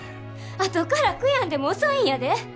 あとから悔やんでも遅いんやで。